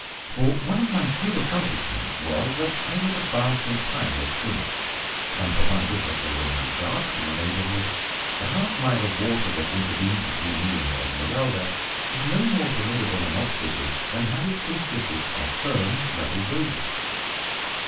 For one of my few accomplishments was that I was a fast and tireless swimmer, and provided that there were no sharks in the neighbourhood the half mile of water that intervened between me and the Esmeralda was no more formidable an obstacle than had it consisted of firm, level roadway.